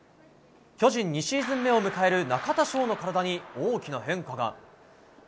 巨人２シーズン目を迎える中田翔の体に大きな変化が。